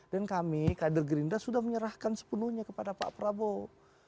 dan kami kader gerinda sudah menyerahkan sepenuhnya kepada pak prabowo